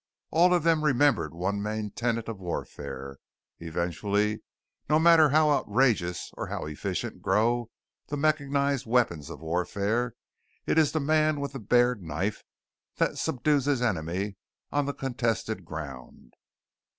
All of them remembered one main tenet of warfare: Eventually, no matter how outrageous or how efficient grow the mechanized weapons of warfare, it is the man with the bared knife that subdues his enemy on the contested ground!